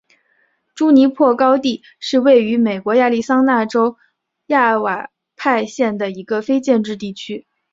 朱尼珀高地是位于美国亚利桑那州亚瓦派县的一个非建制地区。